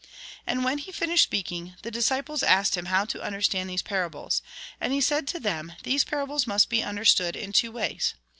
And when he finished speaking, the disciples asked him how to understand these parables ? And he said to them :" These parables must be understood in two ways.